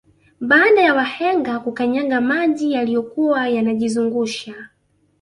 Baada ya wahenga kukanyaga maji yaliyokuwa yanajizungusha